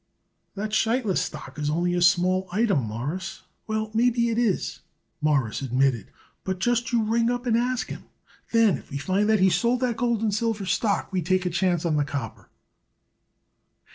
"That Sheitlis stock is only a small item, Mawruss." "Well, maybe it is," Morris admitted, "but just you ring up and ask him. Then, if we find that he sold that gold and silver stock we take a chance on the copper."